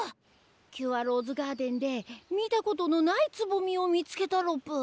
キュアローズガーデンで見たことのないつぼみを見つけたロプ。